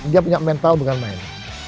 dia punya mental bukan main